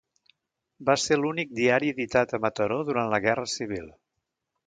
Va ser l'únic diari editat a Mataró durant la Guerra Civil.